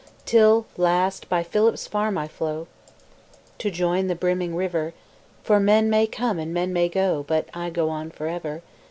Till last by Philip's farm I flow To join the brimming river, For men may come and men may go, But I go on for ever.